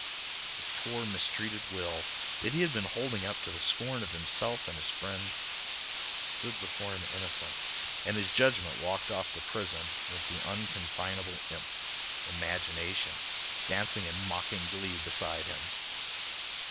His poor, mistreated will that he had been holding up to the scorn of himself and his friends, stood before him innocent, and his judgment walked off to prison with the unconfinable imp, imagination, dancing in mocking glee beside him.